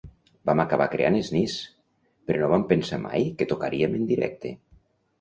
Vam acabar creant Sneeze, però no vam pensar mai que tocaríem en directe.